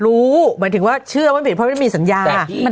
รู้เหมือนถึงว่าชื่อถ้ำผิดเพราะไม่มีสัญญา